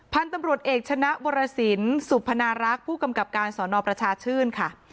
พันธุ์ตำรวจเอกชนะวรสินสุพนารักษ์ผู้กำกับการสอนอประชาชื่นค่ะ